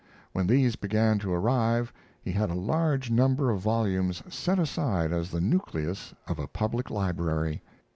When these began to arrive he had a large number of volumes set aside as the nucleus of a public library.